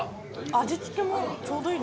味付けがちょうどいい。